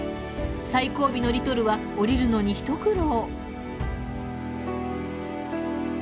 最後尾のリトルは下りるのに一苦労。